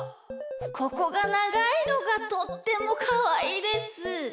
ここがながいのがとってもかわいいです。